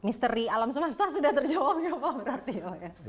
misteri alam semesta sudah terjawab ya pak berarti ya pak ya